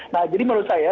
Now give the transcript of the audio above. nah jadi menurut saya